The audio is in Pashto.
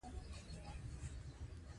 • خندا انسان ته سکون ورکوي.